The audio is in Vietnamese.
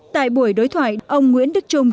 tại buổi đối thoại ông nguyễn đức trung